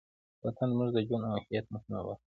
وطن زموږ د ژوند او هویت مهمه برخه ده.